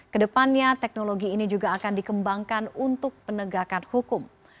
kedepannya teknologi ini juga akan dikembangkan untuk penegakan hukum